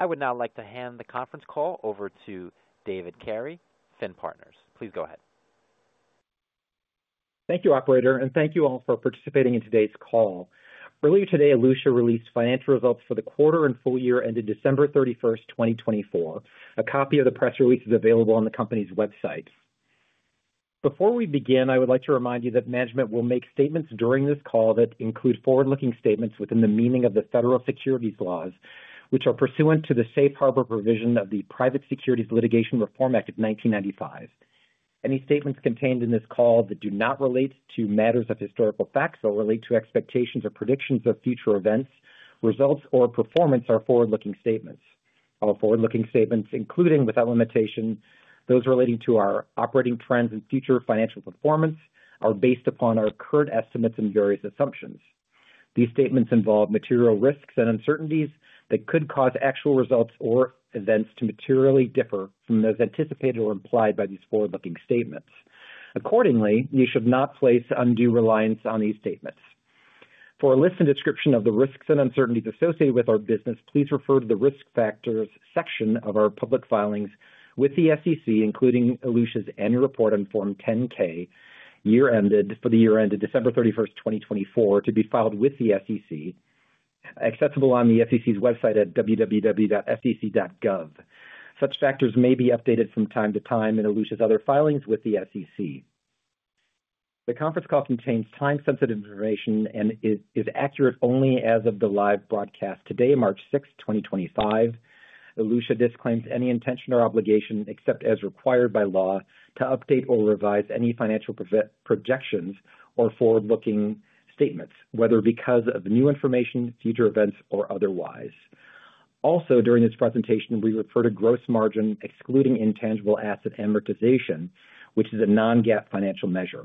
I would now like to hand the conference call over to David Carey, Finn Partners. Please go ahead. Thank you, Operator, and thank you all for participating in today's call. Earlier today, Elutia released financial results for the quarter and full year ended December 31, 2024. A copy of the press release is available on the company's website. Before we begin, I would like to remind you that management will make statements during this call that include forward-looking statements within the meaning of the federal securities laws, which are pursuant to the Safe Harbor Provision of the Private Securities Litigation Reform Act of 1995. Any statements contained in this call that do not relate to matters of historical facts or relate to expectations or predictions of future events, results, or performance are forward-looking statements. Our forward-looking statements, including without limitation, those relating to our operating trends and future financial performance, are based upon our current estimates and various assumptions. These statements involve material risks and uncertainties that could cause actual results or events to materially differ from those anticipated or implied by these forward-looking statements. Accordingly, you should not place undue reliance on these statements. For a list and description of the risks and uncertainties associated with our business, please refer to the risk factors section of our public filings with the SEC, including Elutia's annual report on Form 10-K for the year ended December 31, 2024, to be filed with the SEC, accessible on the SEC's website at www.sec.gov. Such factors may be updated from time to time in Elutia's other filings with the SEC. The conference call contains time-sensitive information and is accurate only as of the live broadcast today, March 6, 2025. Elutia disclaims any intention or obligation, except as required by law, to update or revise any financial projections or forward-looking statements, whether because of new information, future events, or otherwise. Also, during this presentation, we refer to gross margin excluding intangible asset amortization, which is a non-GAAP financial measure.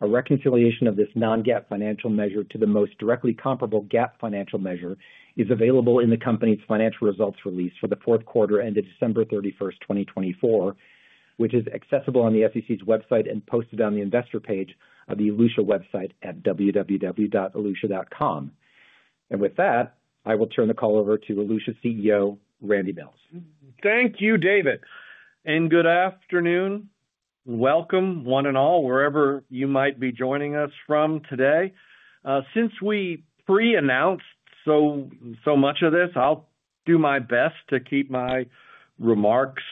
A reconciliation of this non-GAAP financial measure to the most directly comparable GAAP financial measure is available in the company's financial results release for the fourth quarter ended December 31, 2024, which is accessible on the SEC's website and posted on the investor page of the Elutia website at www.elutia.com. With that, I will turn the call over to Elutia CEO Randy Mills. Thank you, David. Good afternoon. Welcome, one and all, wherever you might be joining us from today. Since we pre-announced so much of this, I'll do my best to keep my remarks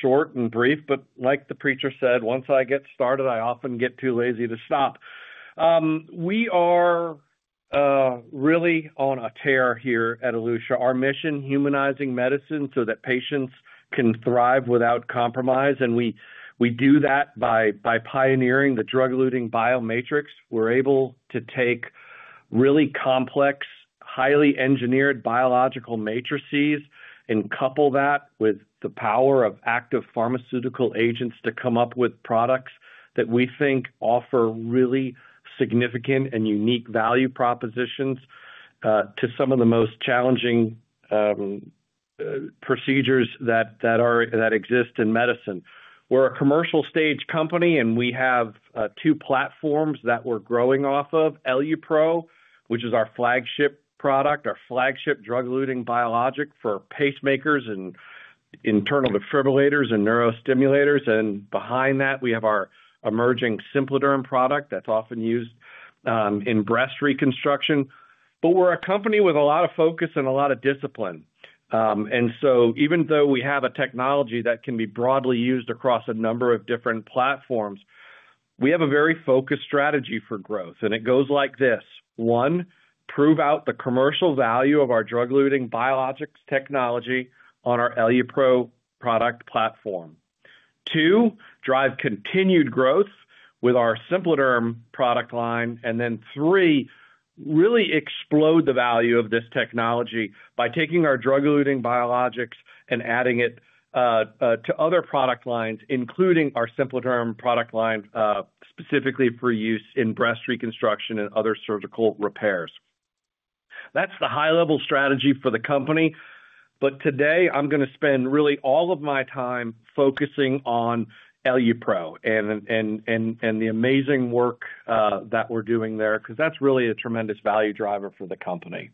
short and brief. Like the preacher said, once I get started, I often get too lazy to stop. We are really on a tear here at Elutia. Our mission, humanizing medicine so that patients can thrive without compromise. We do that by pioneering the drug-eluting biomatrix. We're able to take really complex, highly engineered biological matrices and couple that with the power of active pharmaceutical agents to come up with products that we think offer really significant and unique value propositions to some of the most challenging procedures that exist in medicine. We're a commercial-stage company, and we have two platforms that we're growing off of: EluPro, which is our flagship product, our flagship drug-eluting biologic for pacemakers and internal defibrillators and neurostimulators. Behind that, we have our emerging SimpliDerm product that's often used in breast reconstruction. We're a company with a lot of focus and a lot of discipline. Even though we have a technology that can be broadly used across a number of different platforms, we have a very focused strategy for growth. It goes like this: one, prove out the commercial value of our drug-eluting biologics technology on our EluPro product platform. Two, drive continued growth with our SimpliDerm product line. Three, really explode the value of this technology by taking our drug-eluting biologics and adding it to other product lines, including our Simplerderm product line specifically for use in breast reconstruction and other surgical repairs. That is the high-level strategy for the company. Today, I'm going to spend really all of my time focusing on EluPro and the amazing work that we're doing there because that is really a tremendous value driver for the company.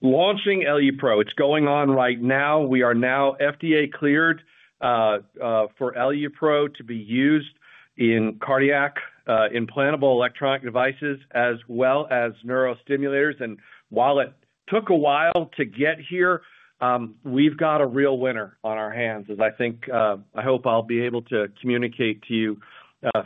Launching EluPro, it's going on right now. We are now FDA-cleared for EluPro to be used in cardiac implantable electronic devices as well as neurostimulators. While it took a while to get here, we've got a real winner on our hands, as I think I hope I'll be able to communicate to you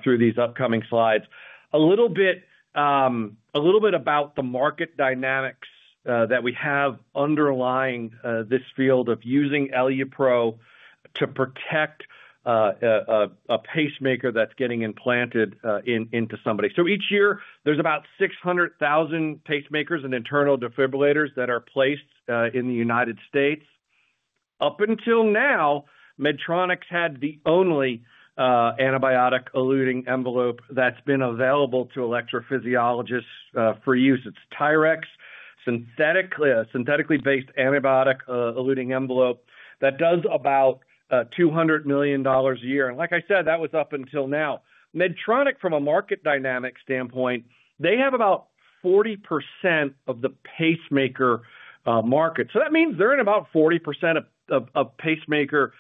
through these upcoming slides. A little bit about the market dynamics that we have underlying this field of using EluPro to protect a pacemaker that's getting implanted into somebody. Each year, there's about 600,000 pacemakers and internal defibrillators that are placed in the United States. Up until now, Medtronic had the only antibiotic-eluting envelope that's been available to electrophysiologists for use. It's TYRX, a synthetically-based antibiotic-eluting envelope that does about $200 million a year. Like I said, that was up until now. Medtronic, from a market dynamic standpoint, they have about 40% of the pacemaker market. That means they're in about 40% of pacemaker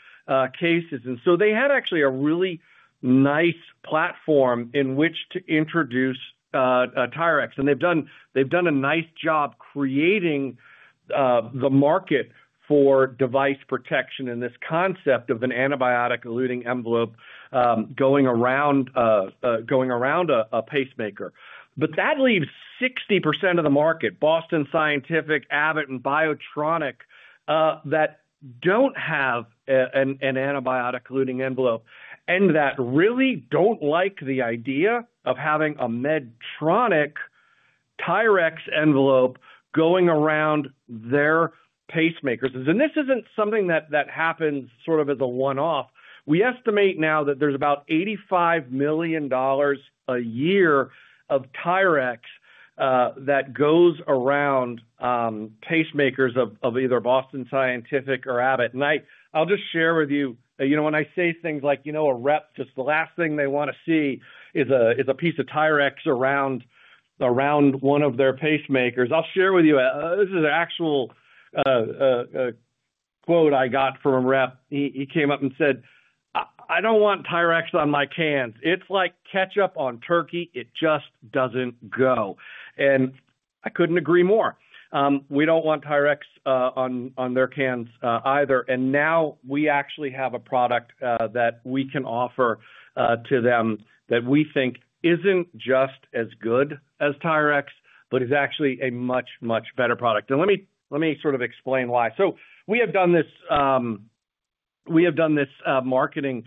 cases. They had actually a really nice platform in which to introduce TYRX. They've done a nice job creating the market for device protection and this concept of an antibiotic-eluting envelope going around a pacemaker. That leaves 60% of the market, Boston Scientific, Abbott, and Biotronik, that do not have an antibiotic-eluting envelope and that really do not like the idea of having a Medtronic TYRX envelope going around their pacemakers. This is not something that happens sort of as a one-off. We estimate now that there is about $85 million a year of TYRX that goes around pacemakers of either Boston Scientific or Abbott. I will just share with you, you know, when I say things like, you know, a rep, just the last thing they want to see is a piece of TYRX around one of their pacemakers. I will share with you, this is an actual quote I got from a rep. He came up and said, "I do not want TYRX on my cans. It is like ketchup on turkey. It just does not go." I could not agree more. We don't want TYRX on their cans either. Now we actually have a product that we can offer to them that we think isn't just as good as TYRX, but is actually a much, much better product. Let me sort of explain why. We have done this marketing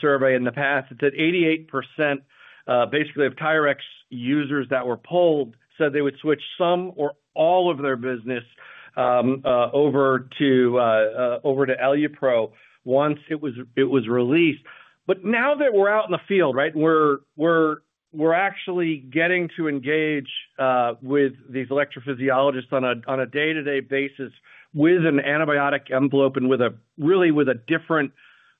survey in the past. It's at 88% basically of TYRX users that were polled said they would switch some or all of their business over to EluPro once it was released. Now that we're out in the field, right, we're actually getting to engage with these electrophysiologists on a day-to-day basis with an antibiotic envelope and really with a different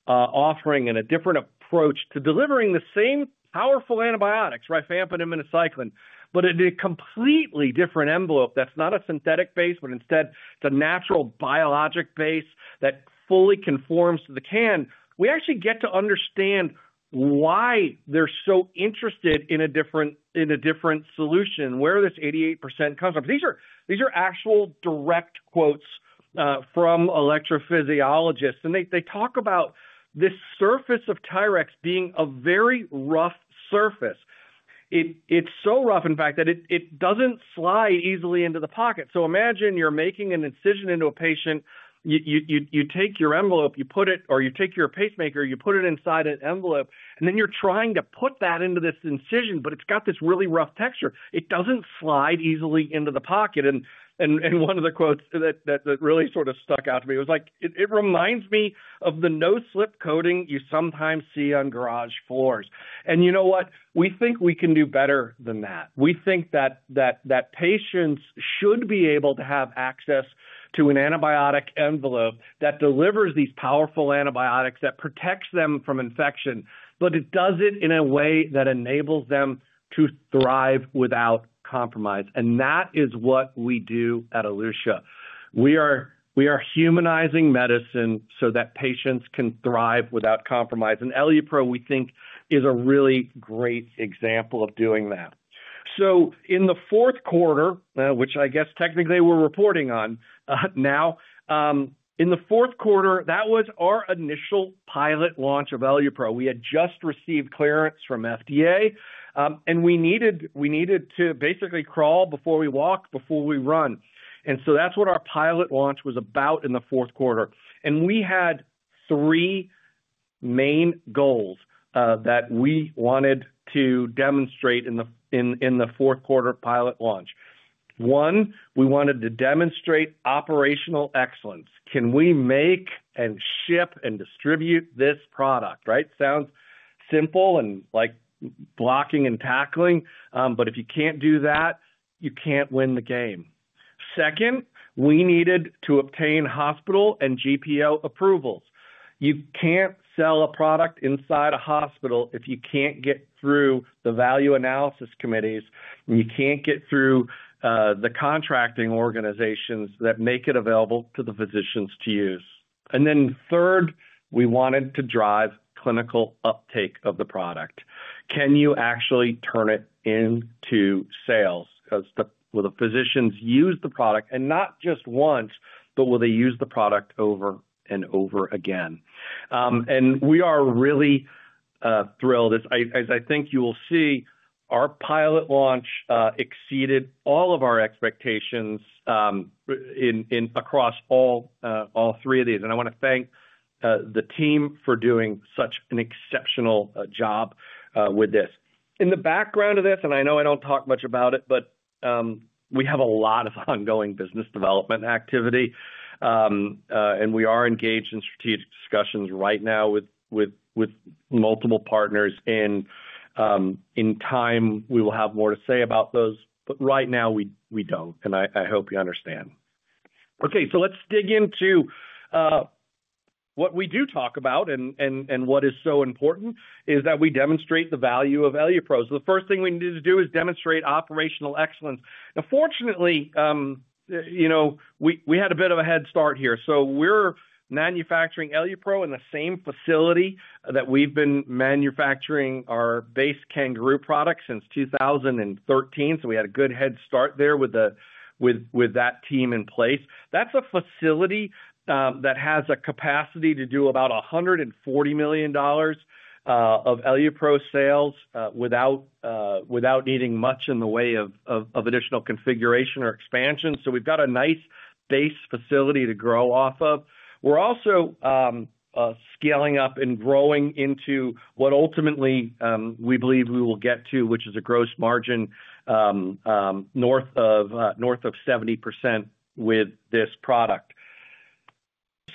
offering and a different approach to delivering the same powerful antibiotics, rifampin and minocycline, but in a completely different envelope that's not a synthetic base, but instead it's a natural biologic base that fully conforms to the can. We actually get to understand why they're so interested in a different solution, where this 88% comes from. These are actual direct quotes from electrophysiologists. They talk about this surface of TYRX being a very rough surface. It's so rough, in fact, that it doesn't slide easily into the pocket. Imagine you're making an incision into a patient. You take your envelope, you put it, or you take your pacemaker, you put it inside an envelope, and then you're trying to put that into this incision, but it's got this really rough texture. It doesn't slide easily into the pocket. One of the quotes that really sort of stuck out to me was like, "It reminds me of the no-slip coating you sometimes see on garage floors." You know what? We think we can do better than that. We think that patients should be able to have access to an antibiotic envelope that delivers these powerful antibiotics that protects them from infection, but it does it in a way that enables them to thrive without compromise. That is what we do at Elutia. We are humanizing medicine so that patients can thrive without compromise. ELUPRO, we think, is a really great example of doing that. In the fourth quarter, which I guess technically we're reporting on now, in the fourth quarter, that was our initial pilot launch of ELUPRO. We had just received clearance from FDA, and we needed to basically crawl before we walk, before we run. That is what our pilot launch was about in the fourth quarter. We had three main goals that we wanted to demonstrate in the fourth quarter pilot launch. One, we wanted to demonstrate operational excellence. Can we make and ship and distribute this product? Right? Sounds simple and like blocking and tackling, but if you can't do that, you can't win the game. Second, we needed to obtain hospital and GPO approvals. You can't sell a product inside a hospital if you can't get through the value analysis committees, and you can't get through the contracting organizations that make it available to the physicians to use. Third, we wanted to drive clinical uptake of the product. Can you actually turn it into sales? Will the physicians use the product? And not just once, but will they use the product over and over again? We are really thrilled. As I think you will see, our pilot launch exceeded all of our expectations across all three of these. I want to thank the team for doing such an exceptional job with this. In the background of this, and I know I don't talk much about it, but we have a lot of ongoing business development activity, and we are engaged in strategic discussions right now with multiple partners. In time, we will have more to say about those. Right now, we don't. I hope you understand. Okay. Let's dig into what we do talk about and what is so important is that we demonstrate the value of ELUPRO. The first thing we needed to do is demonstrate operational excellence. Now, fortunately, we had a bit of a head start here. We're manufacturing ELUPRO in the same facility that we've been manufacturing our base Kangaroo product since 2013. We had a good head start there with that team in place. That's a facility that has a capacity to do about $140 million of EluPro sales without needing much in the way of additional configuration or expansion. We've got a nice base facility to grow off of. We're also scaling up and growing into what ultimately we believe we will get to, which is a gross margin north of 70% with this product.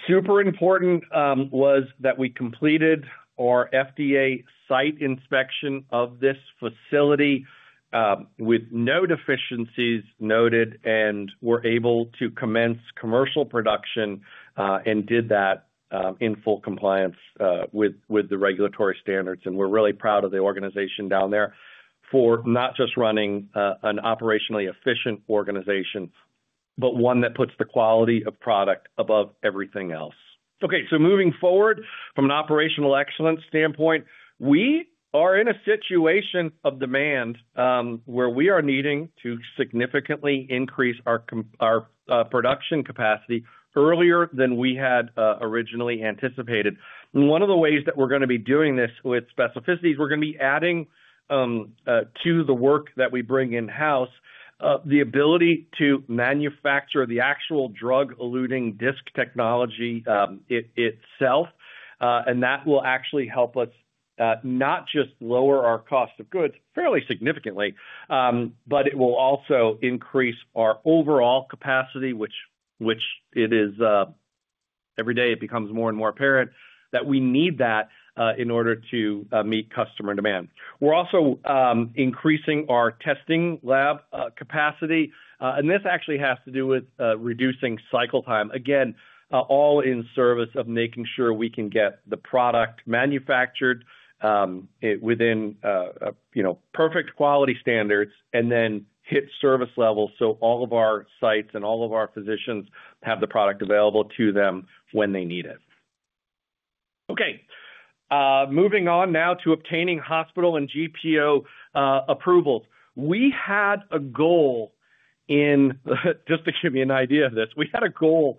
Super important was that we completed our FDA site inspection of this facility with no deficiencies noted and were able to commence commercial production and did that in full compliance with the regulatory standards. We're really proud of the organization down there for not just running an operationally efficient organization, but one that puts the quality of product above everything else. Okay. Moving forward from an operational excellence standpoint, we are in a situation of demand where we are needing to significantly increase our production capacity earlier than we had originally anticipated. One of the ways that we're going to be doing this with specificities, we're going to be adding to the work that we bring in-house the ability to manufacture the actual drug-eluting disc technology itself. That will actually help us not just lower our cost of goods fairly significantly, but it will also increase our overall capacity, which it is every day it becomes more and more apparent that we need that in order to meet customer demand. We're also increasing our testing lab capacity. This actually has to do with reducing cycle time, again, all in service of making sure we can get the product manufactured within perfect quality standards and then hit service level so all of our sites and all of our physicians have the product available to them when they need it. Okay. Moving on now to obtaining hospital and GPO approvals. We had a goal in, just to give you an idea of this, we had a goal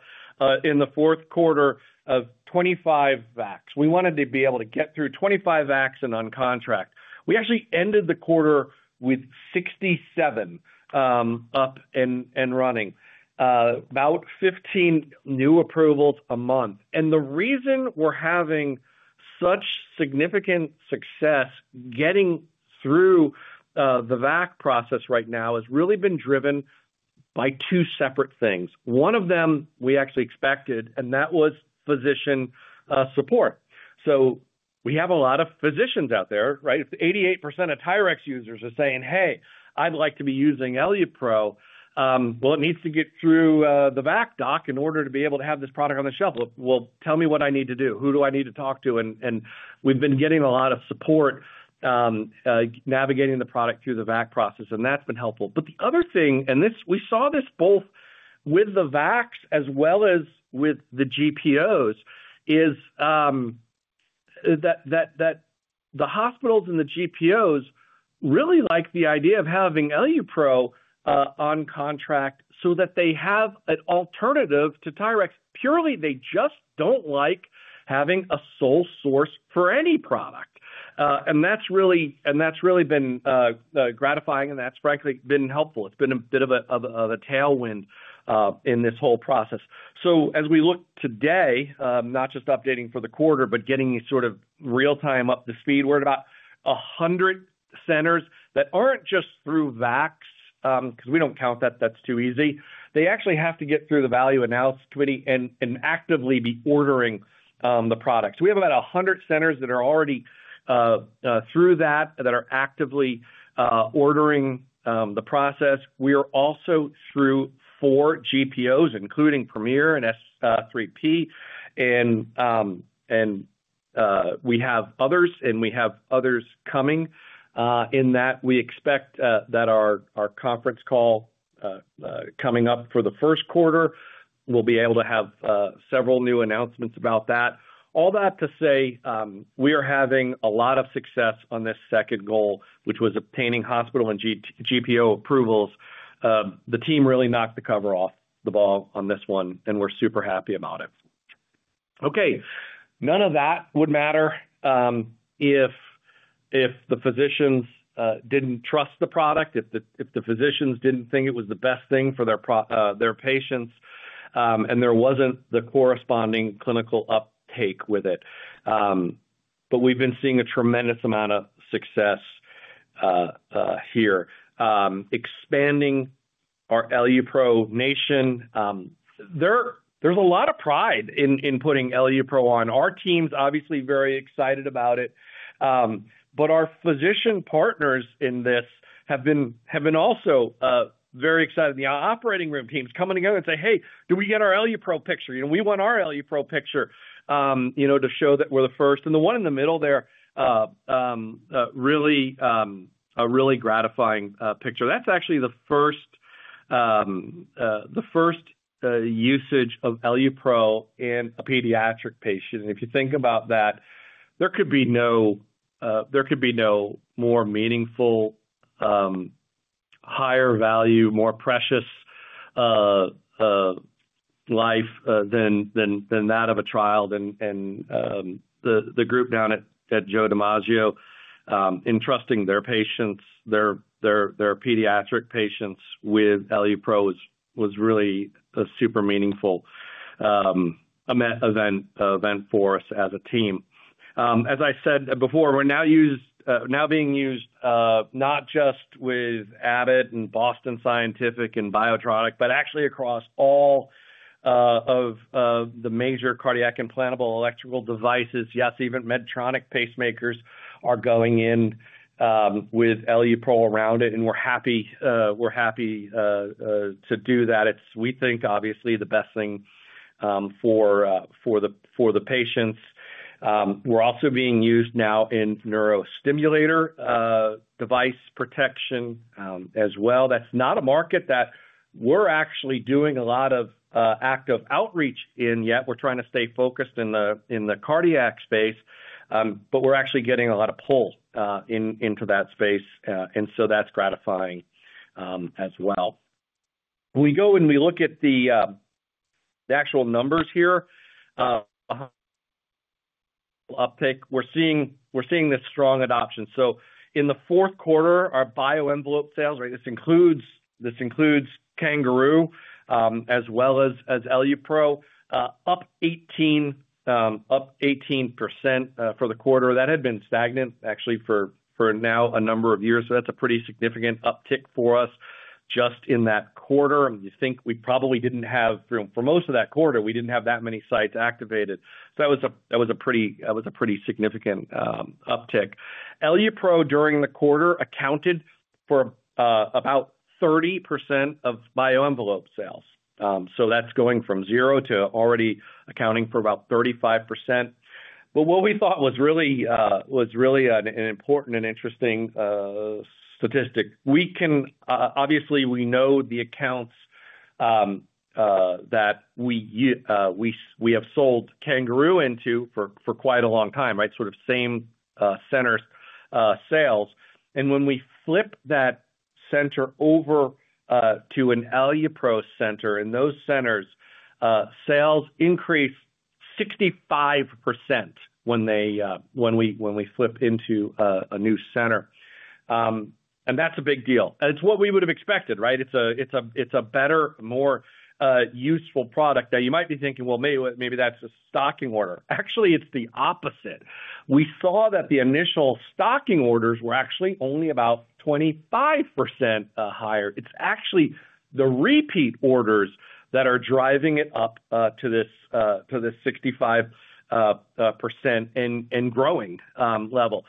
in the fourth quarter of 25 VACs. We wanted to be able to get through 25 VACs and on contract. We actually ended the quarter with 67 up and running, about 15 new approvals a month. The reason we're having such significant success getting through the VAC process right now has really been driven by two separate things. One of them we actually expected, and that was physician support. We have a lot of physicians out there, right? 88% of TYRX users are saying, "Hey, I'd like to be using EluPro." It needs to get through the VAC doc in order to be able to have this product on the shelf. Tell me what I need to do. Who do I need to talk to? We've been getting a lot of support navigating the product through the VAC process, and that's been helpful. The other thing, and we saw this both with the VACs as well as with the GPOs, is that the hospitals and the GPOs really like the idea of having EluPro on contract so that they have an alternative to TYRX. Purely, they just don't like having a sole source for any product. That's really been gratifying, and that's frankly been helpful. It's been a bit of a tailwind in this whole process. As we look today, not just updating for the quarter, but getting sort of real-time up to speed, we're at about 100 centers that aren't just through VACs because we don't count that. That's too easy. They actually have to get through the Value Analysis Committee and actively be ordering the product. We have about 100 centers that are already through that that are actively ordering the process. We are also through four GPOs, including Premier and S3P. We have others, and we have others coming in that. We expect that our conference call coming up for the first quarter, we'll be able to have several new announcements about that. All that to say, we are having a lot of success on this second goal, which was obtaining hospital and GPO approvals. The team really knocked the cover off the ball on this one, and we're super happy about it. None of that would matter if the physicians didn't trust the product, if the physicians didn't think it was the best thing for their patients, and there wasn't the corresponding clinical uptake with it. We've been seeing a tremendous amount of success here, expanding our ELUPRO nation. There's a lot of pride in putting ELUPRO on. Our team's obviously very excited about it. Our physician partners in this have been also very excited. The operating room teams come in and say, "Hey, did we get our ELUPRO picture? We want our ELUPRO picture to show that we're the first." The one in the middle there is a really gratifying picture. That's actually the first usage of ELUPRO in a pediatric patient. If you think about that, there could be no more meaningful, higher value, more precious life than that of a child. The group down at Joe DiMaggio, entrusting their patients, their pediatric patients with EluPro, was really a super meaningful event for us as a team. As I said before, we're now being used not just with Abbott and Boston Scientific and Biotronik, but actually across all of the major cardiac implantable electrical devices. Yes, even Medtronic pacemakers are going in with EluPro around it. We're happy to do that. We think, obviously, it's the best thing for the patients. We're also being used now in neurostimulator device protection as well. That's not a market that we're actually doing a lot of active outreach in yet. We're trying to stay focused in the cardiac space, but we're actually getting a lot of pull into that space. That is gratifying as well. When we go and we look at the actual numbers here, we're seeing this strong adoption. In the fourth quarter, our bio-envelope sales, right? This includes Kangaroo as well as EluPro, up 18% for the quarter. That had been stagnant actually for now a number of years. That is a pretty significant uptick for us just in that quarter. You think we probably did not have for most of that quarter, we did not have that many sites activated. That was a pretty significant uptick. EluPro during the quarter accounted for about 30% of bio-envelope sales. That is going from zero to already accounting for about 35%. What we thought was really an important and interesting statistic. Obviously, we know the accounts that we have sold Kangaroo into for quite a long time, right? Sort of same center sales. When we flip that center over to an EluPro center, those centers' sales increase 65% when we flip into a new center. That is a big deal. It is what we would have expected, right? It is a better, more useful product. You might be thinking, "Maybe that is a stocking order." Actually, it is the opposite. We saw that the initial stocking orders were actually only about 25% higher. It is actually the repeat orders that are driving it up to this 65% and growing level.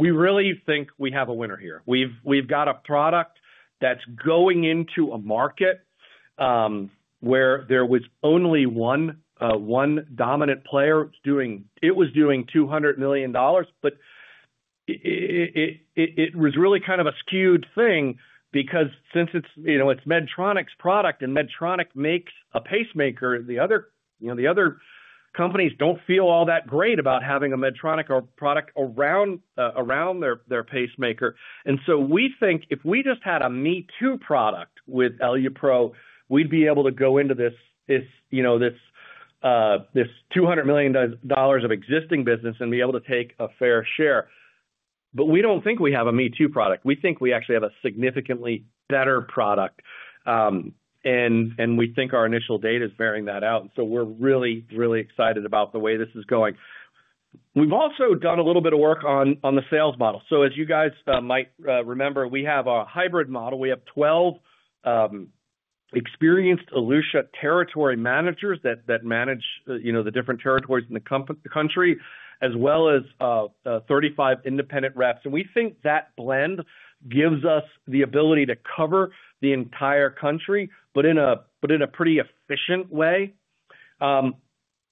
We really think we have a winner here. We have got a product that is going into a market where there was only one dominant player. It was doing $200 million, but it was really kind of a skewed thing because since it's Medtronic's product and Medtronic makes a pacemaker, the other companies don't feel all that great about having a Medtronic product around their pacemaker. We think if we just had a me-too product with EluPro, we'd be able to go into this $200 million of existing business and be able to take a fair share. We don't think we have a me-too product. We think we actually have a significantly better product. We think our initial data is bearing that out. We're really, really excited about the way this is going. We've also done a little bit of work on the sales model. As you guys might remember, we have a hybrid model. We have 12 experienced Elutia territory managers that manage the different territories in the country, as well as 35 independent reps. We think that blend gives us the ability to cover the entire country, but in a pretty efficient way.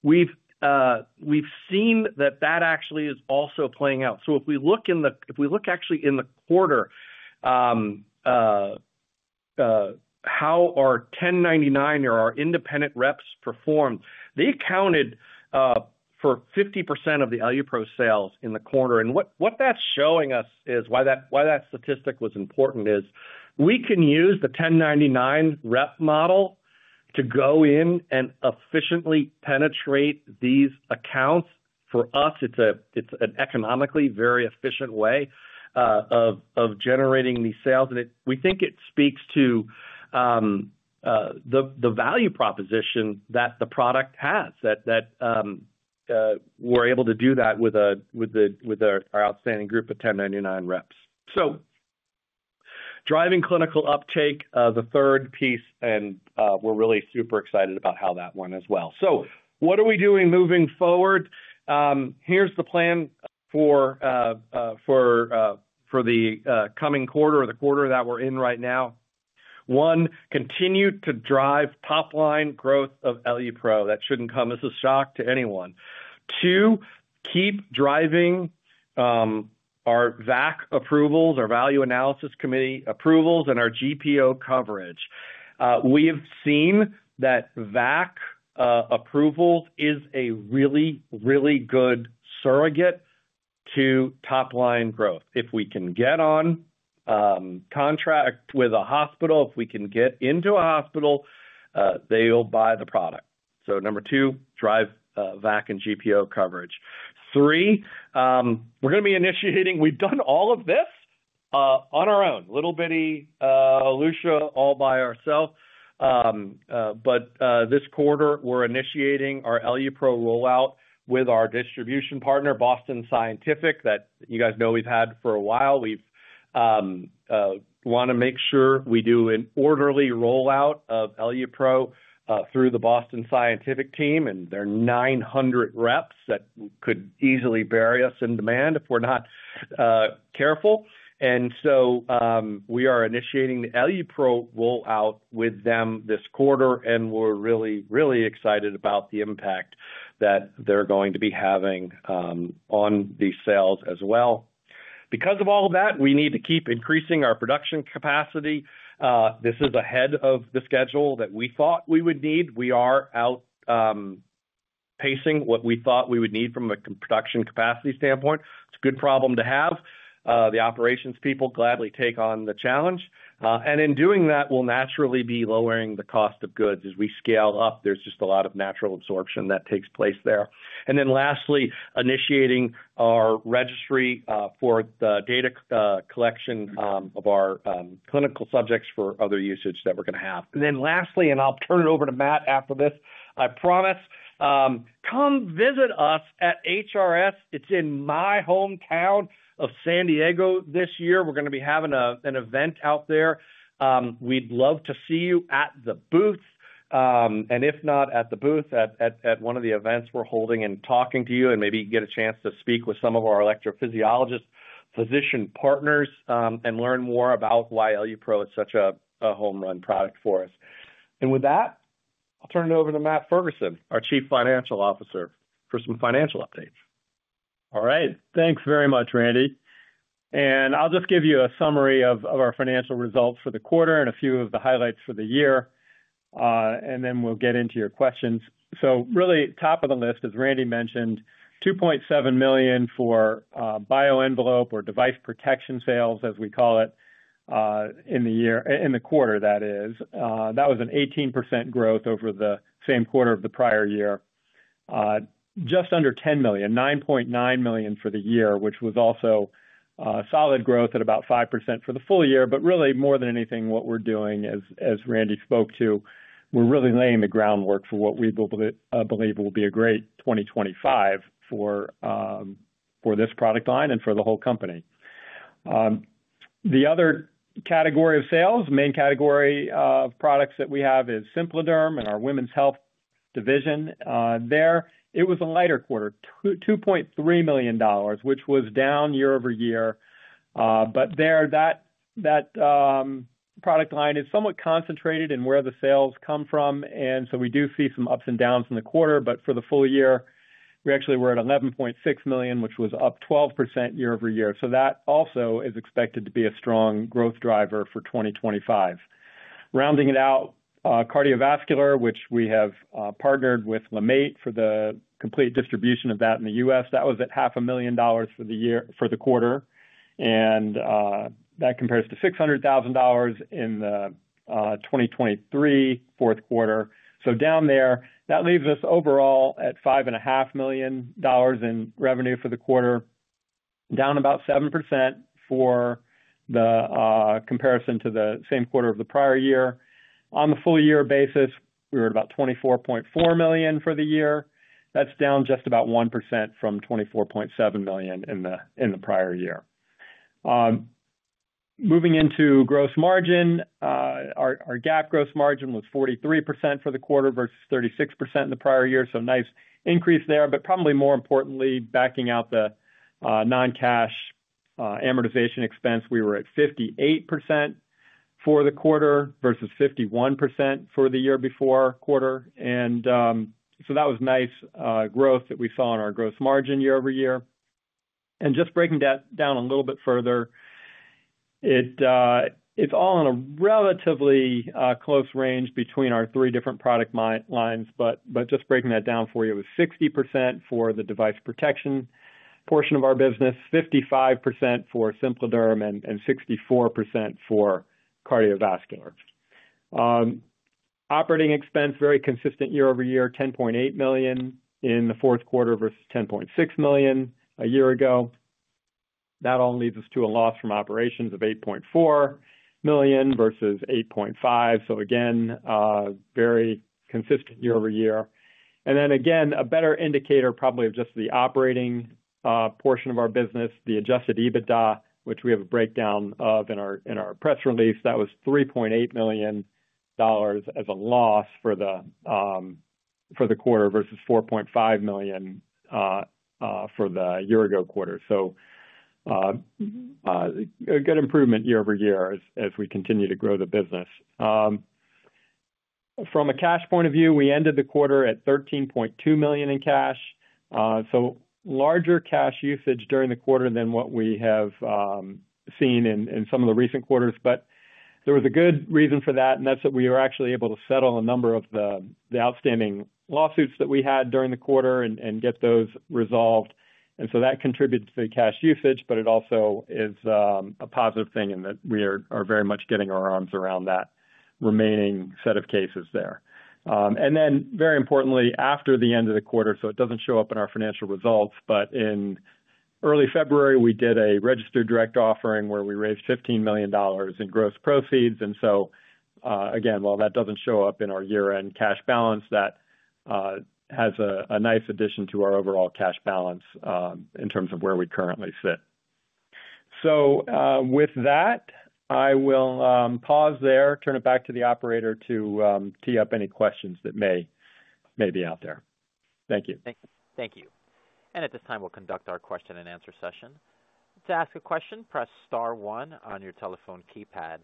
We've seen that that actually is also playing out. If we look actually in the quarter, how our 1099 or our independent reps performed, they accounted for 50% of the EluPro sales in the quarter. What that's showing us is why that statistic was important is we can use the 1099 rep model to go in and efficiently penetrate these accounts. For us, it's an economically very efficient way of generating these sales. We think it speaks to the value proposition that the product has, that we're able to do that with our outstanding group of 1099 reps. Driving clinical uptake, the third piece, and we're really super excited about how that went as well. What are we doing moving forward? Here's the plan for the coming quarter or the quarter that we're in right now. One, continue to drive top-line growth of EluPro. That shouldn't come as a shock to anyone. Two, keep driving our VAC approvals, our value analysis committee approvals, and our GPO coverage. We have seen that VAC approval is a really, really good surrogate to top-line growth. If we can get on contract with a hospital, if we can get into a hospital, they will buy the product. Number two, drive VAC and GPO coverage. Three, we're going to be initiating, we've done all of this on our own, little bitty Elutia all by ourselves. This quarter, we're initiating our ELUPRO rollout with our distribution partner, Boston Scientific, that you guys know we've had for a while. We want to make sure we do an orderly rollout of ELUPRO through the Boston Scientific team, and there are 900 reps that could easily bury us in demand if we're not careful. We are initiating the ELUPRO rollout with them this quarter, and we're really, really excited about the impact that they're going to be having on these sales as well. Because of all that, we need to keep increasing our production capacity. This is ahead of the schedule that we thought we would need. We are outpacing what we thought we would need from a production capacity standpoint. It's a good problem to have. The operations people gladly take on the challenge. In doing that, we'll naturally be lowering the cost of goods as we scale up. There's just a lot of natural absorption that takes place there. Lastly, initiating our registry for the data collection of our clinical subjects for other usage that we're going to have. Lastly, and I'll turn it over to Matt after this, I promise, come visit us at HRS. It's in my hometown of San Diego this year. We're going to be having an event out there. We'd love to see you at the booth. If not at the booth, at one of the events we're holding and talking to you and maybe get a chance to speak with some of our electrophysiologists, physician partners, and learn more about why EluPro is such a home run product for us. With that, I'll turn it over to Matt Ferguson, our Chief Financial Officer, for some financial updates. All right. Thanks very much, Randy. I'll just give you a summary of our financial results for the quarter and a few of the highlights for the year. Then we'll get into your questions. Really, top of the list, as Randy mentioned, $2.7 million for bio-envelope or device protection sales, as we call it, in the quarter. That was an 18% growth over the same quarter of the prior year. Just under $10 million, $9.9 million for the year, which was also solid growth at about 5% for the full year. Really, more than anything, what we're doing, as Randy spoke to, we're really laying the groundwork for what we believe will be a great 2025 for this product line and for the whole company. The other category of sales, main category of products that we have is SimpliDerm and our women's health division there. It was a lighter quarter, $2.3 million, which was down year over year. There, that product line is somewhat concentrated in where the sales come from. We do see some ups and downs in the quarter. For the full year, we actually were at $11.6 million, which was up 12% year over year. That also is expected to be a strong growth driver for 2025. Rounding it out, cardiovascular, which we have partnered with LeMaitre for the complete distribution of that in the U.S., that was at $500,000 for the quarter. That compares to $600,000 in the 2023 fourth quarter. Down there, that leaves us overall at $5.5 million in revenue for the quarter, down about 7% for the comparison to the same quarter of the prior year. On the full year basis, we were at about $24.4 million for the year. That's down just about 1% from $24.7 million in the prior year. Moving into gross margin, our GAAP gross margin was 43% for the quarter versus 36% in the prior year. Nice increase there. Probably more importantly, backing out the non-cash amortization expense, we were at 58% for the quarter versus 51% for the year before quarter. That was nice growth that we saw in our gross margin year over year. Just breaking that down a little bit further, it's all in a relatively close range between our three different product lines. Just breaking that down for you, it was 60% for the device protection portion of our business, 55% for Simplerderm, and 64% for cardiovascular. Operating expense, very consistent year over year, $10.8 million in the fourth quarter versus $10.6 million a year ago. That all leads us to a loss from operations of $8.4 million versus $8.5 million. Again, very consistent year over year. A better indicator probably of just the operating portion of our business, the adjusted EBITDA, which we have a breakdown of in our press release, that was $3.8 million as a loss for the quarter versus $4.5 million for the year-ago quarter. A good improvement year over year as we continue to grow the business. From a cash point of view, we ended the quarter at $13.2 million in cash. Larger cash usage during the quarter than what we have seen in some of the recent quarters. There was a good reason for that. That's that we were actually able to settle a number of the outstanding lawsuits that we had during the quarter and get those resolved. That contributed to the cash usage, but it also is a positive thing in that we are very much getting our arms around that remaining set of cases there. Very importantly, after the end of the quarter, so it does not show up in our financial results, but in early February, we did a registered direct offering where we raised $15 million in gross proceeds. Again, while that does not show up in our year-end cash balance, that has a nice addition to our overall cash balance in terms of where we currently sit. With that, I will pause there, turn it back to the operator to tee up any questions that may be out there. Thank you. Thank you. At this time, we'll conduct our question-and-answer session. To ask a question, press Star 1 on your telephone keypad.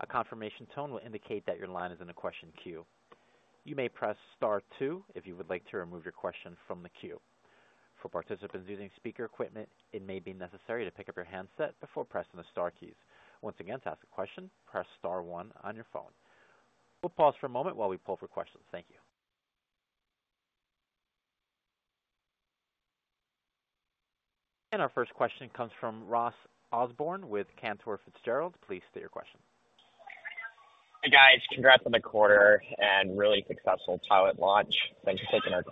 A confirmation tone will indicate that your line is in a question queue. You may press Star 2 if you would like to remove your question from the queue. For participants using speaker equipment, it may be necessary to pick up your handset before pressing the Star keys. Once again, to ask a question, press Star 1 on your phone. We'll pause for a moment while we pull for questions. Thank you. Our first question comes from Ross Osborne with Cantor Fitzgerald. Please state your question. Hey, guys. Congrats on the quarter and really successful pilot launch. Thanks for taking our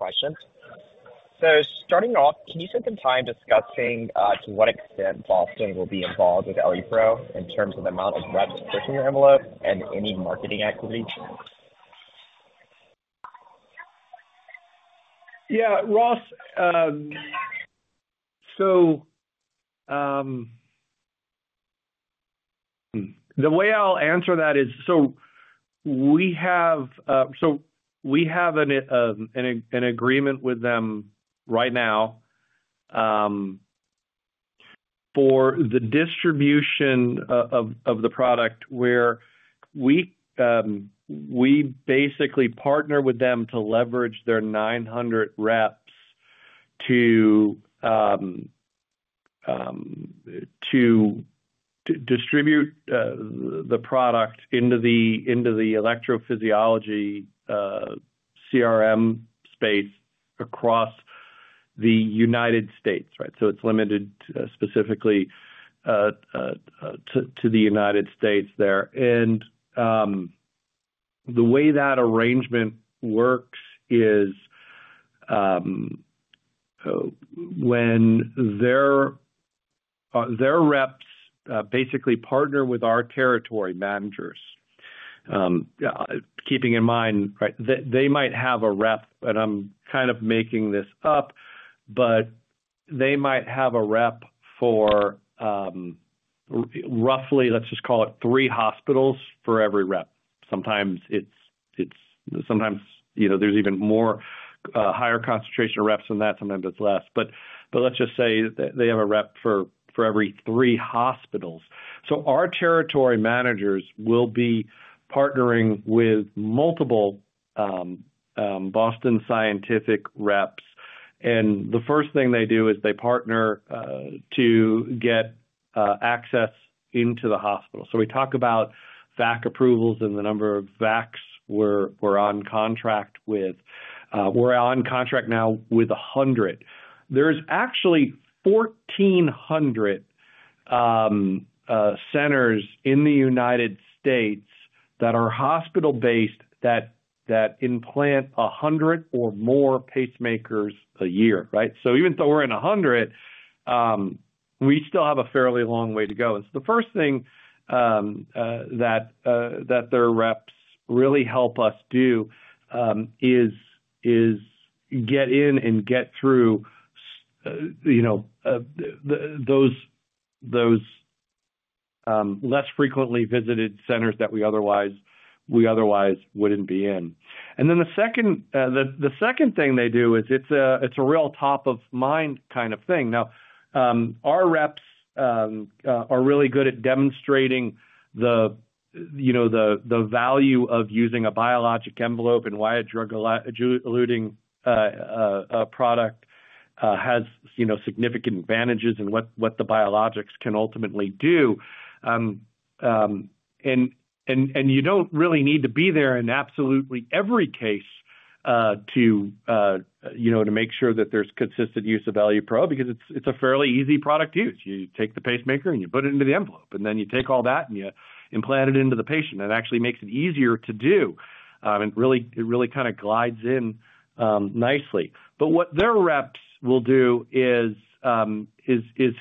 questions. Starting off, can you spend some time discussing to what extent Boston will be involved with EluPro in terms of the amount of reps pushing your envelope and any marketing activities? Yeah, Ross, the way I'll answer that is we have an agreement with them right now for the distribution of the product where we basically partner with them to leverage their 900 reps to distribute the product into the electrophysiology CRM space across the United States, right? It's limited specifically to the United States there. The way that arrangement works is when their reps basically partner with our territory managers, keeping in mind, they might have a rep, and I'm kind of making this up, but they might have a rep for roughly, let's just call it three hospitals for every rep. Sometimes there's even more higher concentration of reps than that. Sometimes it's less. Let's just say they have a rep for every three hospitals. Our territory managers will be partnering with multiple Boston Scientific reps. The first thing they do is they partner to get access into the hospital. We talk about VAC approvals and the number of VACs we're on contract with. We're on contract now with 100. There's actually 1,400 centers in the United States that are hospital-based that implant 100 or more pacemakers a year, right? Even though we're in 100, we still have a fairly long way to go. The first thing that their reps really help us do is get in and get through those less frequently visited centers that we otherwise wouldn't be in. The second thing they do is it's a real top-of-mind kind of thing. Now, our reps are really good at demonstrating the value of using a biologic envelope and why a drug-eluting product has significant advantages and what the biologics can ultimately do. You don't really need to be there in absolutely every case to make sure that there's consistent use of EluPro because it's a fairly easy product to use. You take the pacemaker and you put it into the envelope. You take all that and you implant it into the patient. It actually makes it easier to do. It really kind of glides in nicely. What their reps will do is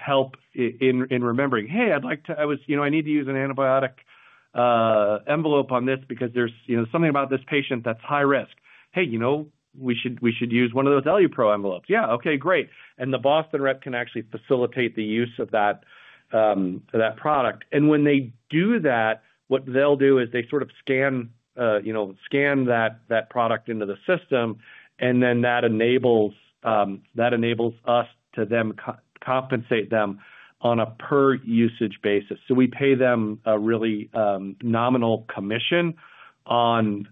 help in remembering, "Hey, I'd like to I need to use an antibiotic envelope on this because there's something about this patient that's high risk. Hey, we should use one of those EluPro envelopes." Yeah, okay, great. The Boston rep can actually facilitate the use of that product. When they do that, what they'll do is they sort of scan that product into the system. That enables us to then compensate them on a per-usage basis. We pay them a really nominal commission on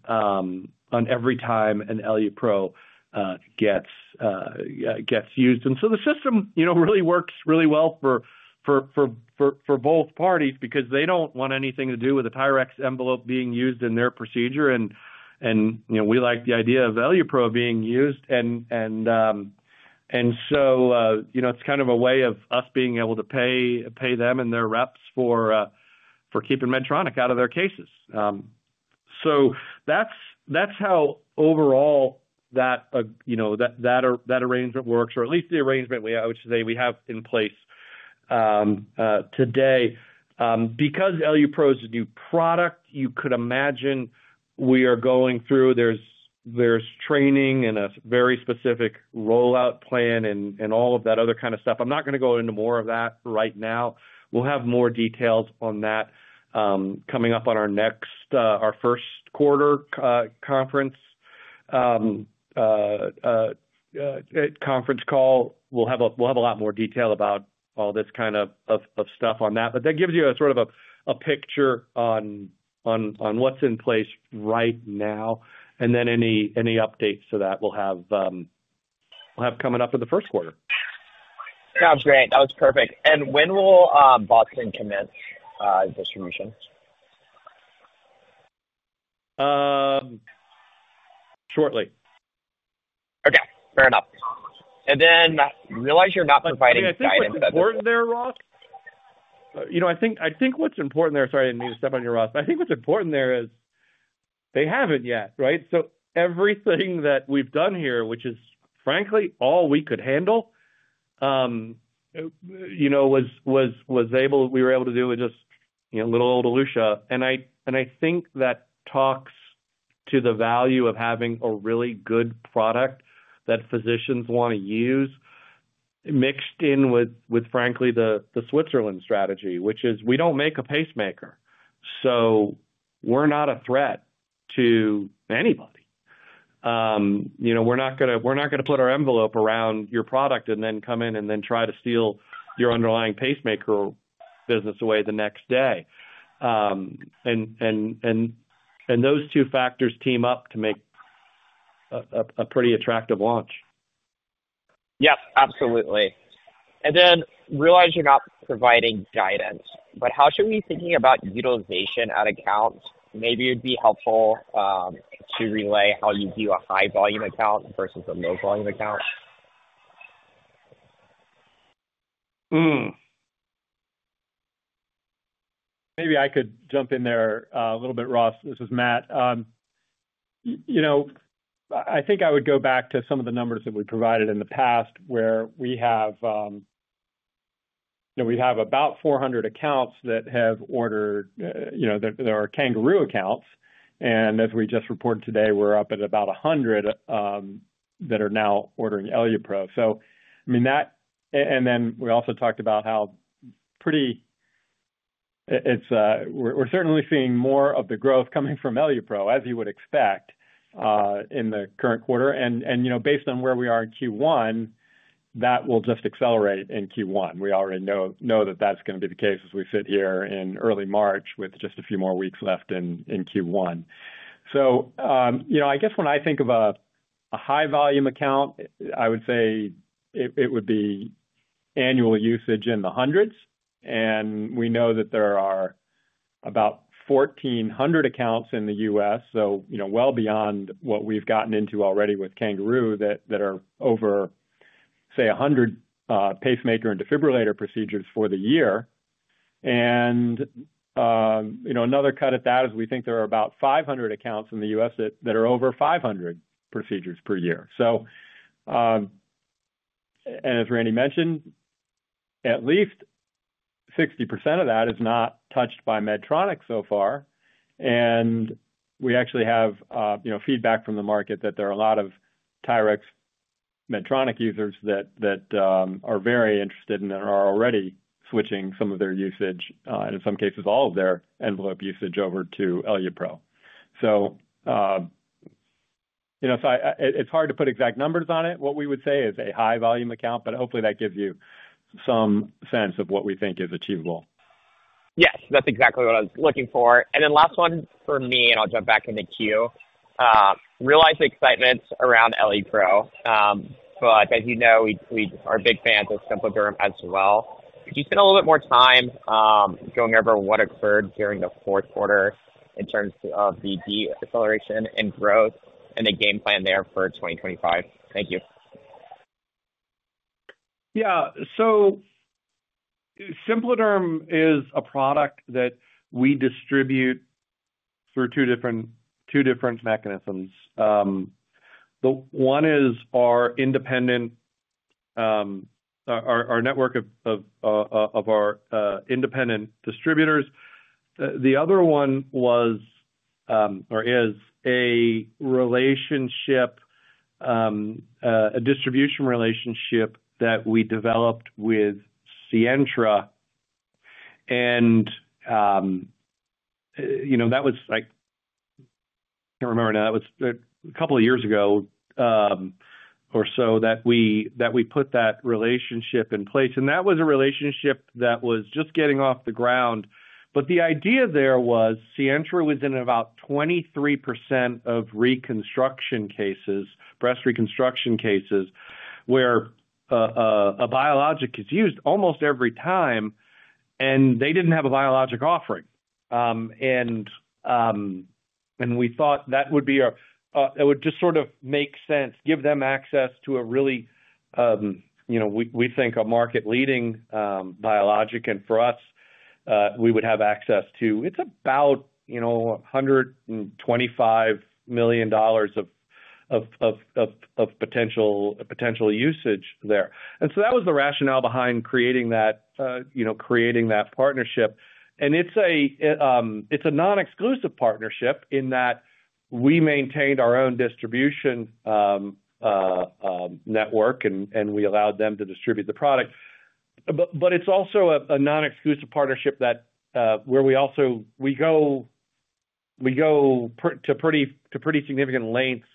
every time an EluPro gets used. The system really works really well for both parties because they do not want anything to do with a TYRX envelope being used in their procedure. We like the idea of EluPro being used. It is kind of a way of us being able to pay them and their reps for keeping Medtronic out of their cases. That is how overall that arrangement works, or at least the arrangement we have in place today. Because EluPro is a new product, you could imagine we are going through, there's training and a very specific rollout plan and all of that other kind of stuff. I'm not going to go into more of that right now. We'll have more details on that coming up on our first quarter conference call. We'll have a lot more detail about all this kind of stuff on that. That gives you sort of a picture on what's in place right now. Any updates to that we'll have coming up in the first quarter. Sounds great. That was perfect. When will Boston commence distribution? Shortly. Okay. Fair enough. I realize you're not providing guidance. I think what's important there—sorry, I need to step on you, Ross—I think what's important there is they haven't yet, right? Everything that we've done here, which is frankly all we could handle, was able, we were able to do with just little old Elutia. I think that talks to the value of having a really good product that physicians want to use mixed in with, frankly, the Switzerland strategy, which is we don't make a pacemaker. We're not a threat to anybody. We're not going to put our envelope around your product and then come in and then try to steal your underlying pacemaker business away the next day. Those two factors team up to make a pretty attractive launch. Yes, absolutely. I realize you're not providing guidance. How should we be thinking about utilization at accounts? Maybe it'd be helpful to relay how you view a high-volume account versus a low-volume account. Maybe I could jump in there a little bit, Ross. This is Matt. I think I would go back to some of the numbers that we provided in the past where we have about 400 accounts that have ordered that are Kangaroo accounts. I mean, as we just reported today, we're up at about 100 that are now ordering EluPro. I mean, that, and then we also talked about how pretty—we're certainly seeing more of the growth coming from EluPro, as you would expect, in the current quarter. Based on where we are in Q1, that will just accelerate in Q1. We already know that that's going to be the case as we sit here in early March with just a few more weeks left in Q1. I guess when I think of a high-volume account, I would say it would be annual usage in the hundreds. We know that there are about 1,400 accounts in the U.S., so well beyond what we've gotten into already with Kangaroo that are over, say, 100 pacemaker and defibrillator procedures for the year. Another cut at that is we think there are about 500 accounts in the U.S. that are over 500 procedures per year. As Randy mentioned, at least 60% of that is not touched by Medtronic so far. We actually have feedback from the market that there are a lot of TYRX Medtronic users that are very interested and are already switching some of their usage, and in some cases, all of their envelope usage over to EluPro. It's hard to put exact numbers on it. What we would say is a high-volume account, but hopefully that gives you some sense of what we think is achievable. Yes, that's exactly what I was looking for. The last one for me, and I'll jump back into queue. Realize the excitement around EluPro. As you know, we are big fans of SimpliDerm as well. Could you spend a little bit more time going over what occurred during the fourth quarter in terms of the deceleration in growth and the game plan there for 2025? Thank you. SimpliDerm is a product that we distribute through two different mechanisms. One is our network of independent distributors. The other one was or is a distribution relationship that we developed with Sientra. I can't remember now, that was a couple of years ago or so that we put that relationship in place. That was a relationship that was just getting off the ground. The idea there was Sientra was in about 23% of breast reconstruction cases where a biologic is used almost every time, and they did not have a biologic offering. We thought that would just sort of make sense, give them access to a really, we think, a market-leading biologic. For us, we would have access to about $125 million of potential usage there. That was the rationale behind creating that partnership. It is a non-exclusive partnership in that we maintained our own distribution network, and we allowed them to distribute the product. It is also a non-exclusive partnership where we go to pretty significant lengths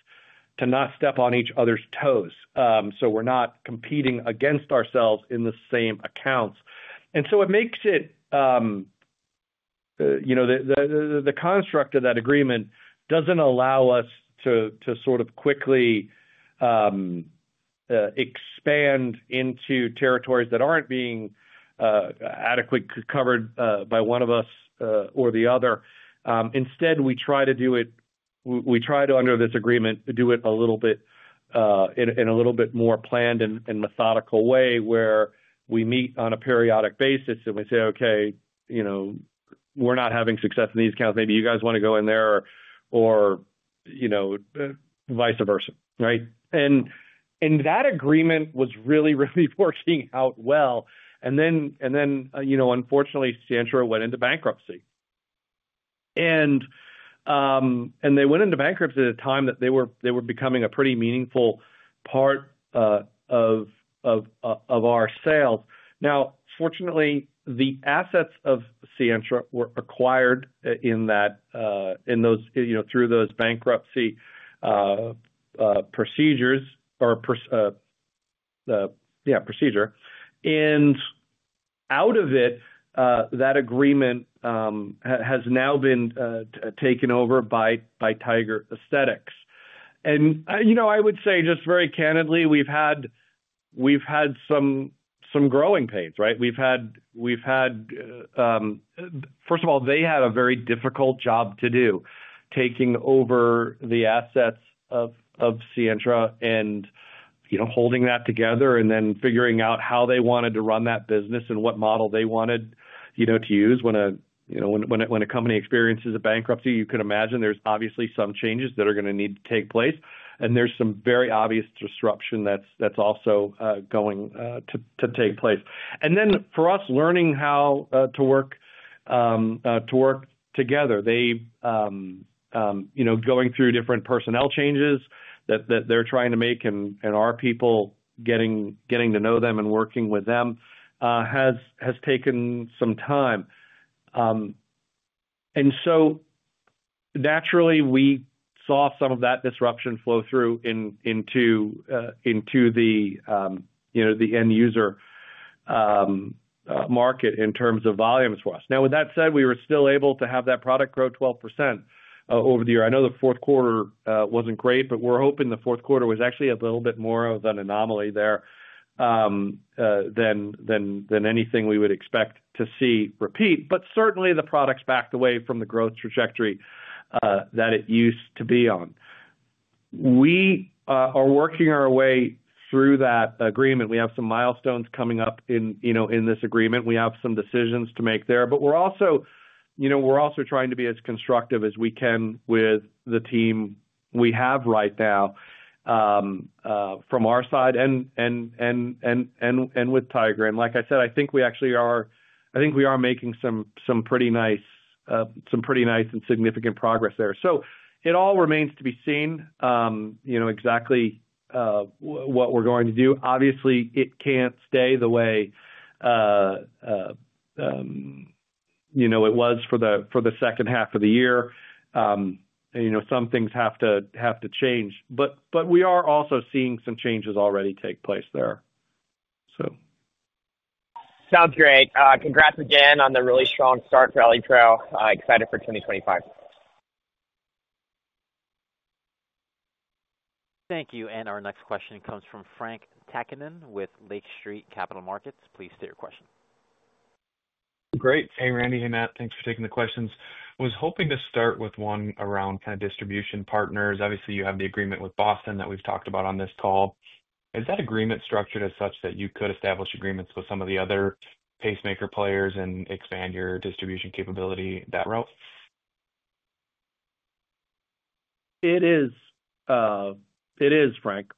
to not step on each other's toes. We are not competing against ourselves in the same accounts. It makes it—the construct of that agreement does not allow us to sort of quickly expand into territories that are not being adequately covered by one of us or the other. Instead, we try to do it—we try to, under this agreement, do it a little bit in a little bit more planned and methodical way where we meet on a periodic basis and we say, "Okay, we are not having success in these accounts. Maybe you guys want to go in there or vice versa," right? That agreement was really, really working out well. Unfortunately, Sientra went into bankruptcy. They went into bankruptcy at a time that they were becoming a pretty meaningful part of our sales. Now, fortunately, the assets of Sientra were acquired in those through those bankruptcy procedures or, yeah, procedure. Out of it, that agreement has now been taken over by Tiger Aesthetics. I would say, just very candidly, we've had some growing pains, right? We've had, first of all, they had a very difficult job to do taking over the assets of Sientra and holding that together and then figuring out how they wanted to run that business and what model they wanted to use. When a company experiences a bankruptcy, you can imagine there's obviously some changes that are going to need to take place. There's some very obvious disruption that's also going to take place. For us, learning how to work together, going through different personnel changes that they're trying to make and our people getting to know them and working with them has taken some time. Naturally, we saw some of that disruption flow through into the end-user market in terms of volumes for us. Now, with that said, we were still able to have that product grow 12% over the year. I know the fourth quarter was not great, but we're hoping the fourth quarter was actually a little bit more of an anomaly there than anything we would expect to see repeat. Certainly, the product's backed away from the growth trajectory that it used to be on. We are working our way through that agreement. We have some milestones coming up in this agreement. We have some decisions to make there. We are also trying to be as constructive as we can with the team we have right now from our side and with Tiger. Like I said, I think we actually are—I think we are making some pretty nice—some pretty nice and significant progress there. It all remains to be seen exactly what we're going to do. Obviously, it can't stay the way it was for the second half of the year. Some things have to change. We are also seeing some changes already take place there. Sounds great. Congrats again on the really strong start for EluPro. Excited for 2025. Thank you. Our next question comes from Frank Tachanan with Lake Street Capital Markets. Please state your question. Great. Hey, Randy. Hey, Matt. Thanks for taking the questions. I was hoping to start with one around kind of distribution partners. Obviously, you have the agreement with Boston that we've talked about on this call. Is that agreement structured as such that you could establish agreements with some of the other pacemaker players and expand your distribution capability that route? It is. It is, Frank.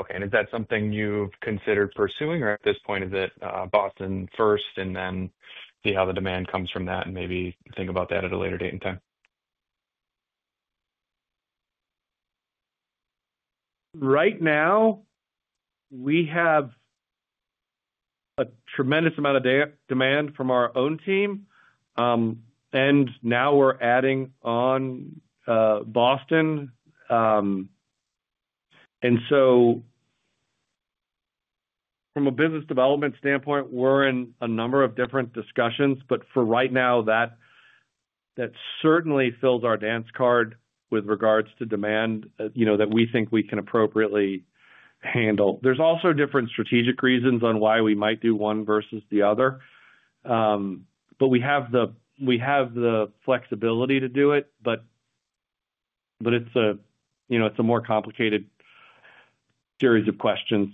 Okay. Is that something you've considered pursuing, or at this point, is it Boston first and then see how the demand comes from that and maybe think about that at a later date and time? Right now, we have a tremendous amount of demand from our own team. Now we're adding on Boston. From a business development standpoint, we're in a number of different discussions. For right now, that certainly fills our dance card with regards to demand that we think we can appropriately handle. There are also different strategic reasons on why we might do one versus the other. We have the flexibility to do it. But it's a more complicated series of questions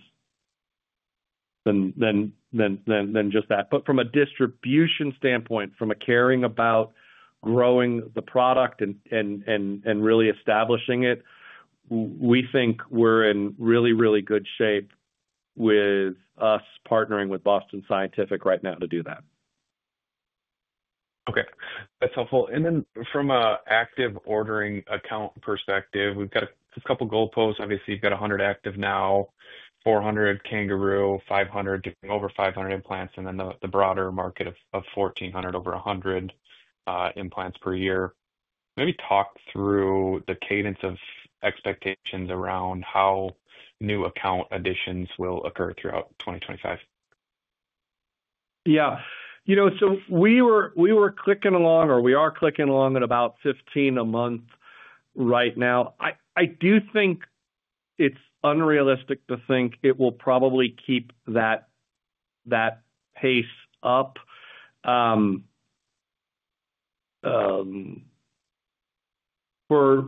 than just that. From a distribution standpoint, from caring about growing the product and really establishing it, we think we're in really, really good shape with us partnering with Boston Scientific right now to do that. Okay. That's helpful. From an active ordering account perspective, we've got a couple of goalposts. Obviously, you've got 100 active now, 400 Kangaroo, 500, over 500 implants, and then the broader market of 1,400 over 100 implants per year. Maybe talk through the cadence of expectations around how new account additions will occur throughout 2025. Yeah. We were clicking along, or we are clicking along at about 15 a month right now. I do think it's unrealistic to think it will probably keep that pace up for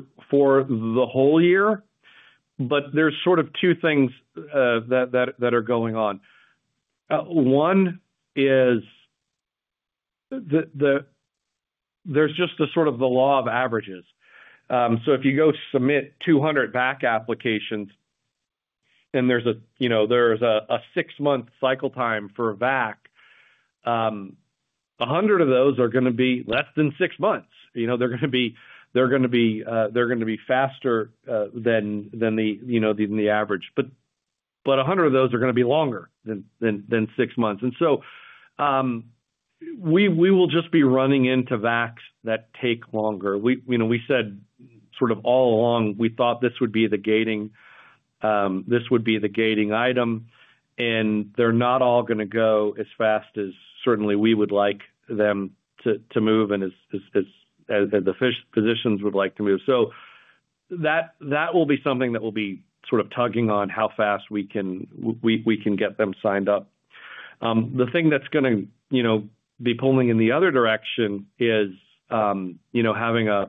the whole year. There's sort of two things that are going on. One is there's just sort of the law of averages. If you go submit 200 VAC applications and there's a six-month cycle time for a VAC, 100 of those are going to be less than six months. They're going to be faster than the average. 100 of those are going to be longer than six months. We said sort of all along we thought this would be the gating—this would be the gating item. They're not all going to go as fast as certainly we would like them to move and as the physicians would like to move. That will be something that will be sort of tugging on how fast we can get them signed up. The thing that's going to be pulling in the other direction is having a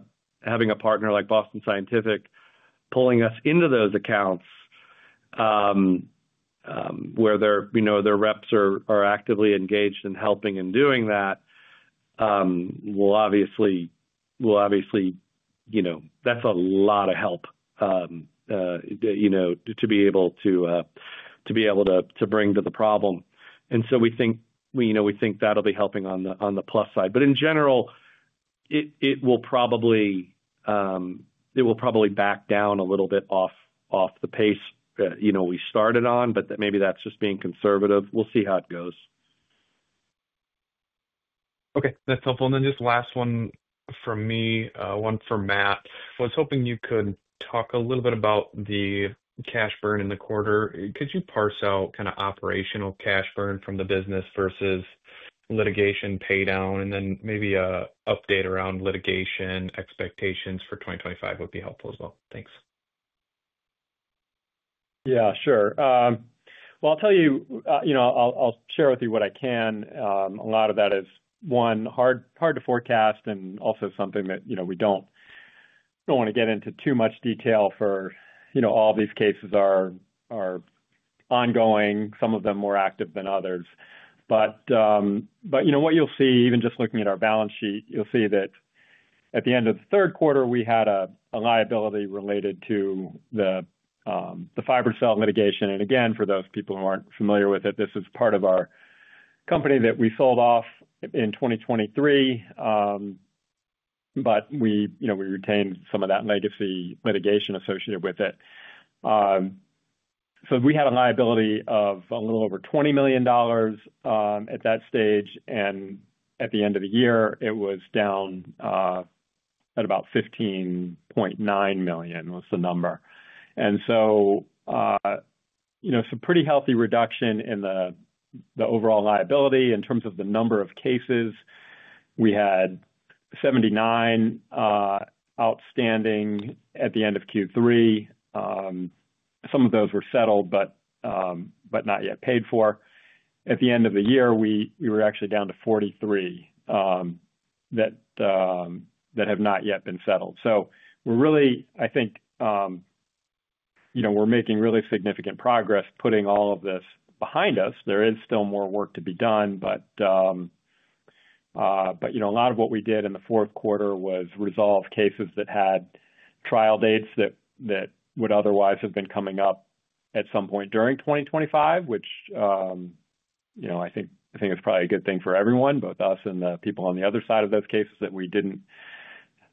partner like Boston Scientific pulling us into those accounts where their reps are actively engaged in helping and doing that will obviously—that's a lot of help to be able to bring to the problem. We think that'll be helping on the plus side. In general, it will probably back down a little bit off the pace we started on, but maybe that's just being conservative. We'll see how it goes. Okay. That's helpful. Just last one from me, one for Matt. I was hoping you could talk a little bit about the cash burn in the quarter. Could you parse out kind of operational cash burn from the business versus litigation paydown? Maybe an update around litigation expectations for 2025 would be helpful as well. Thanks. Yeah, sure. I'll tell you—I'll share with you what I can. A lot of that is, one, hard to forecast and also something that we don't want to get into too much detail for because all these cases are ongoing, some of them more active than others. What you'll see, even just looking at our balance sheet, you'll see that at the end of the third quarter, we had a liability related to the fiber cell litigation. Again, for those people who aren't familiar with it, this is part of our company that we sold off in 2023, but we retained some of that legacy litigation associated with it. We had a liability of a little over $20 million at that stage. At the end of the year, it was down at about $15.9 million was the number. Some pretty healthy reduction in the overall liability in terms of the number of cases. We had 79 outstanding at the end of Q3. Some of those were settled but not yet paid for. At the end of the year, we were actually down to 43 that have not yet been settled. I think we're making really significant progress putting all of this behind us. There is still more work to be done, but a lot of what we did in the fourth quarter was resolve cases that had trial dates that would otherwise have been coming up at some point during 2025, which I think is probably a good thing for everyone, both us and the people on the other side of those cases that we did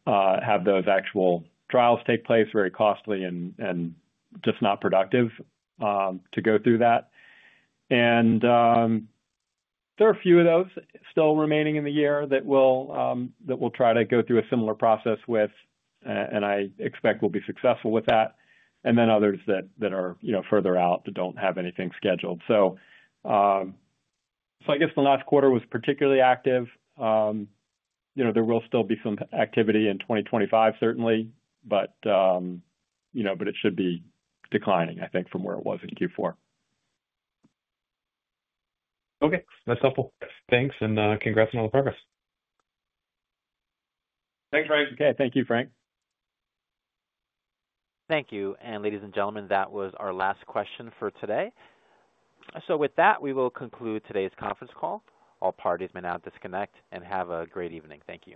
not have those actual trials take place. Very costly and just not productive to go through that. There are a few of those still remaining in the year that we'll try to go through a similar process with, and I expect we'll be successful with that, and then others that are further out that do not have anything scheduled. I guess the last quarter was particularly active. There will still be some activity in 2025, certainly, but it should be declining, I think, from where it was in Q4. Okay. That's helpful. Thanks. And congrats on all the progress. Thanks, Frank. Okay. Thank you, Frank. Thank you. Ladies and gentlemen, that was our last question for today. With that, we will conclude today's conference call. All parties may now disconnect and have a great evening. Thank you.